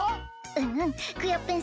うんうんクヨッペン